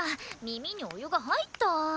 耳にお湯が入った！